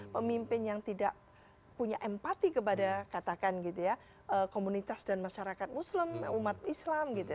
pemimpin yang tidak punya empati kepada katakan komunitas dan masyarakat muslim umat islam